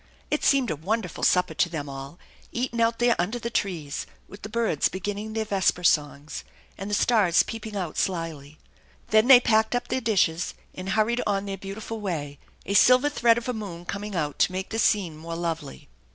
It seemed a wonderful supper to them all, eaten out there under the trees, with the birds beginning their vesper songs and the stars peeping out slyly. Then they packed up their dishes and hurried on their beautiful way, a silver thread of a moon coming out to make the scene more lovely.